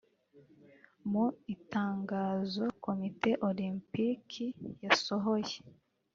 Mu itangazo Komite Olempiki yasohoye